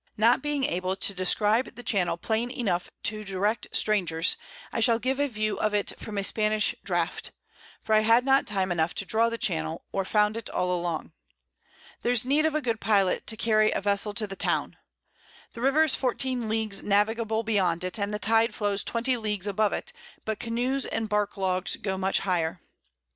Not being able to describe the Channel plain enough to direct Strangers, I shall give a View of it from a Spanish Draught; for I had not time enough to draw the Channel, or found it all along. There's need of a good Pilot to carry a Vessel to the Town. The River is 14 Leagues navigable beyond it, and the Tide flows 20 Leagues above it, but Canoes and Bark Logs go much higher.